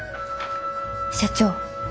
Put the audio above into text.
社長。